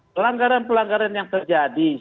pelanggaran pelanggaran yang tersebut